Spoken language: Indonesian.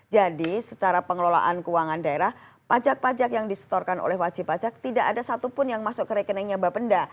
jadi secara pengelolaan keuangan daerah pajak pajak yang disetorkan oleh wajib pajak tidak ada satupun yang masuk ke rekeningnya bapak penda